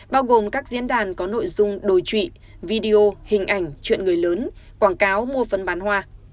bao gồm các diễn đàn có nội dung đối trụy video hình ảnh chuyện người lớn quảng cáo mua phân bán hoa